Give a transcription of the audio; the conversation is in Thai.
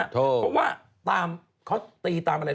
เพราะว่าตามเขาตีตามอะไร